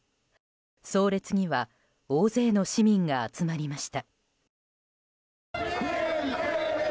葬列には大勢の市民が集まりました。